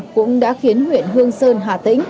cũng đã khiến huyện hương sơn hà tĩnh